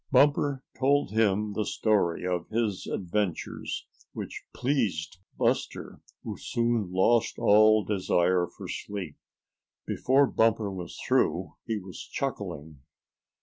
Bumper told him the story of his adventures, which pleased Buster, who soon lost all desire for sleep. Before Bumper was through he was chuckling.